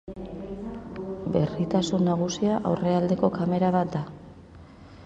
Berritasun nagusia aurrealdeko kamera bat da.